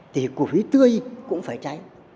thì củi tươi cũng phải trái